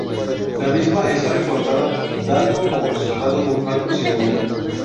La misma esta recortada, dando como resultado un marco circular.